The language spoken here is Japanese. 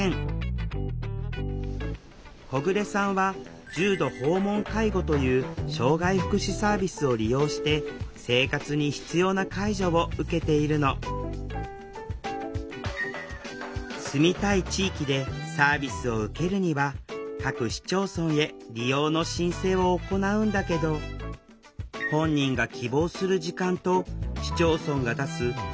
小暮さんは重度訪問介護という障害福祉サービスを利用して生活に必要な介助を受けているの住みたい地域でサービスを受けるには各市町村へ利用の申請を行うんだけど本人が希望する時間と市町村が出す支給決定時間が